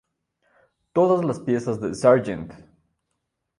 Todas las piezas de "Sgt.